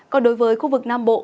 còn đối với khu vực nam bộ